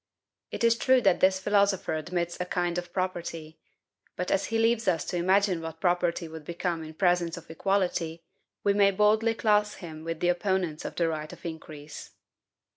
It is true that this philosopher admits a kind of property; but as he leaves us to imagine what property would become in presence of equality, we may boldly class him with the opponents of the right of increase.